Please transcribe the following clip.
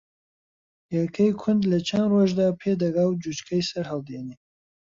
ھێلکەی کوند لە چەن ڕۆژدا پێ دەگا و جوچکەی سەرھەڵدێنێ